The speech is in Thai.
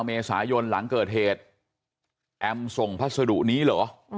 เมษายนหลังเกิดเหตุแอมส่งพัสดุนี้เหรอ